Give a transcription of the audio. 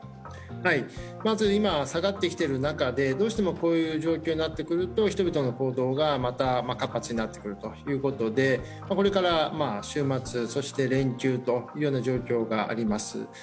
まず、今下がってきている中で、どうしてもこういう状況になってくると人々の行動がまた活発になってくるということで、これから、週末、そして連休というような状況があります。